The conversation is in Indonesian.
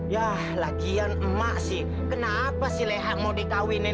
yah lagian emak sih kenapa sih lehat mau dikawinin